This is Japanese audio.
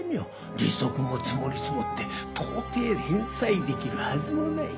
利息も積もり積もって到底返済できるはずもない。